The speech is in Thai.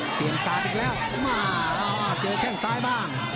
เกมตาอีกแล้วมาเจอแข่งซ้ายบ้าง